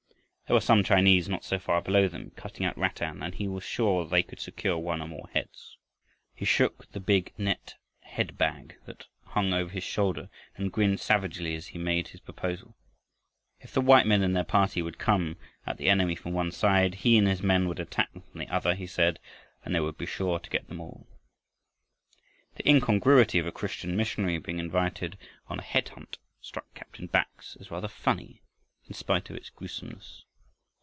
There were some Chinese not so far below them, cutting out rattan, and he was sure they could secure one or more heads. He shook the big net head bag that hung over his shoulder and grinned savagely as he made his proposal. If the white men and their party would come at the enemy from one side, he and his men would attack them from the other, he said, and they would be sure to get them all. The incongruity of a Christian missionary being invited on a head hunt struck Captain Bax as rather funny in spite of its gruesomeness.